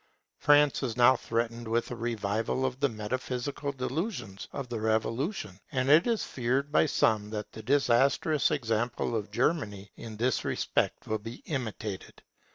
France is now threatened with a revival of the metaphysical delusions of the Revolution, and it is feared by some that the disastrous example of Germany in this respect will be imitated.